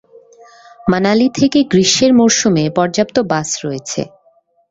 মানালি থেকে গ্রীষ্মের মরসুমে পর্যাপ্ত বাস রয়েছে।